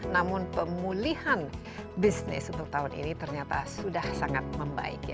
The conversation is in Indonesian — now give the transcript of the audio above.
namun pemulihan bisnis untuk tahun ini ternyata sudah sangat membaik